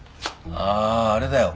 あああれだよ。